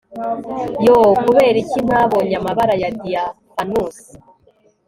yoo! kubera iki ntabonye amababa ya diaphanous